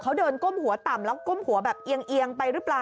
เขาเดินก้มหัวต่ำแล้วก้มหัวแบบเอียงไปหรือเปล่า